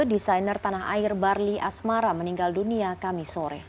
desainer tanah air barli asmara meninggal dunia kami sore